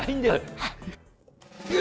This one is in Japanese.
はい。